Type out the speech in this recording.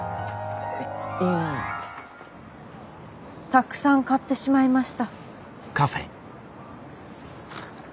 たくさん買ってしまいました。